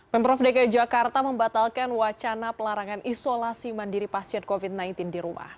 pemprov dki jakarta membatalkan wacana pelarangan isolasi mandiri pasien covid sembilan belas di rumah